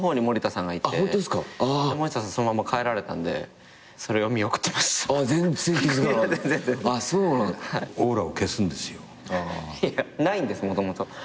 森田さんそのまま帰られたんでそれを見送ってました。